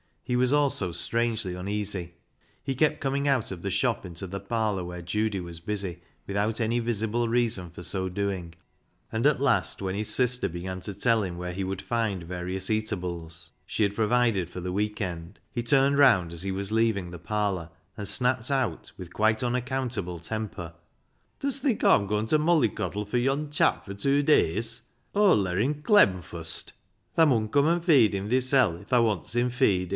He was also strangely uneasy. He kept coming out of the shop into the parlour where Judy was busy, without any visible reason THE STUDENT 21 for so doing ; and at last, when his sister began to tell him where he would find various eatables she had provided for the week end, he turned round as he was leaving the parlour and snapped out with quite unaccountable temper —" Dust think Aw'm gooin' ta molly coddle fur yond' chap fur tew days? Aw'Il ler him clem fust ! Tha mun come an' feed him thisel', if tha wants him feed in'."